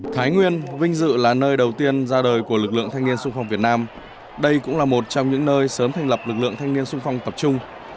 thái nguyên vinh dự là nơi đầu tiên ra đời của lực lượng thanh niên sung phong việt nam đây cũng là một trong những nơi sớm thành lập lực lượng thanh niên sung phong tập trung